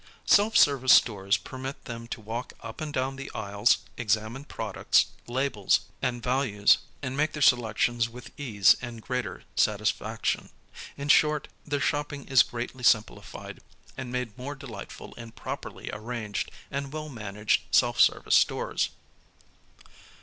Self service stores permit them to walk up and down the aisles, examine products, labels, and values, and make their selections with ease and greater satis faction. In short, their shopping is greatly simplified and made more delightful in properly arranged and well managed self service stores.